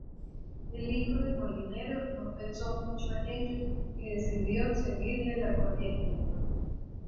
El hijo del molinero no pensó mucho en ello y decidió seguirle la corriente.